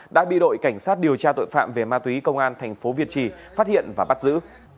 đã bị đội cảnh sát điều tra tội phạm về ma túy công an thành phố việt trì phát hiện và bắt giữ